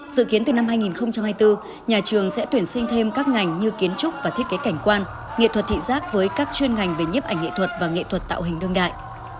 dự kiến từ năm hai nghìn hai mươi bốn nhà trường sẽ tuyển sinh thêm các ngành như kiến trúc và thiết kế cảnh quan nghệ thuật thị giác với các chuyên ngành về nhiếp ảnh nghệ thuật và nghệ thuật tạo hình đương đại